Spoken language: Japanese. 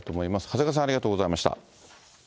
長谷川さん、ありがとうございました。